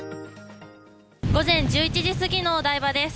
午前１１時過ぎのお台場です。